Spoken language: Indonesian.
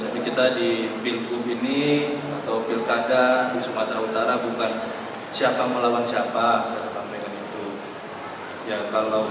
pak ada bocoran pasangan